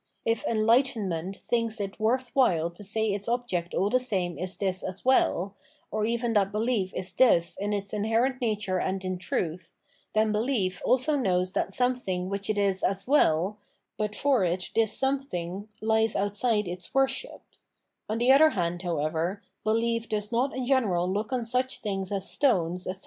If enlighten ment thinks it worth while to say its object aU the same is this as wdl, or even that behef is lids in its inherent nature and in truth, then behef also knows that some ^ tbirg which it is " as weU," but for it this something hes outside its worship ; on the other hand, however, behef does not in general look on such things as stones, etc.